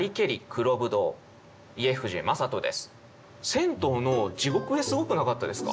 銭湯の地獄絵すごくなかったですか？